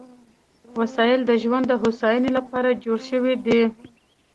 وسایل د ژوند د هوساینې لپاره جوړ شوي دي.